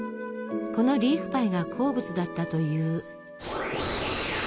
このリーフパイが好物だったという。